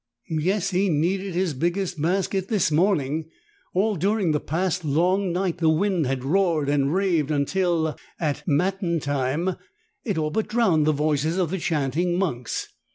25 Yes, he needed his biggest basket this morning. All dur ing the past long night the wind had roared and raved, until at Matin time it all but drowned the voices of the chanting monks.